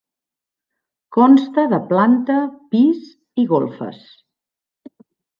Consta de planta, pis i golfes.